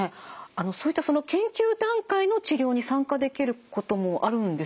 そういった研究段階の治療に参加できることもあるんですよね？